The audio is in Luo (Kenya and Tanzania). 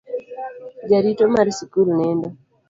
Jarito mar sikul nindo.